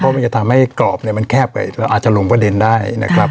เพราะมันจะทำให้กรอบเนี่ยมันแคบไปอาจจะลงประเด็นได้นะครับ